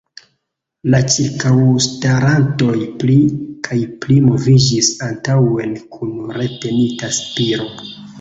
La ĉirkaŭstarantoj pli kaj pli moviĝis antaŭen kun retenita spiro.